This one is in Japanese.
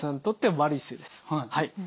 はい。